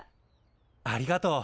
ありがとう。